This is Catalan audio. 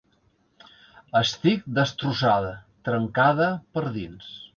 Estic destrossada, trencada per dins.